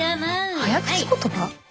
早口言葉？